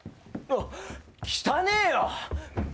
汚ねえよ。